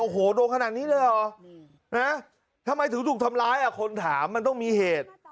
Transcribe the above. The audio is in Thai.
โอ้โหโดนขนาดนี้เลยเหรอทำไมถึงถูกทำร้ายคนถามมันต้องมีเหตุ